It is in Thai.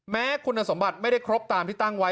แม้คุณสมบัติไม่ได้ครบตามที่ตั้งไว้